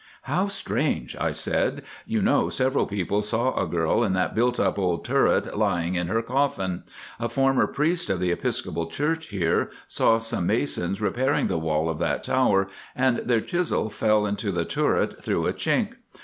"How strange," I said. "You know, several people saw a girl in that built up old turret lying in her coffin. A former priest of the Episcopal Church here saw some masons repairing the wall of that tower, and their chisel fell into the turret through a chink.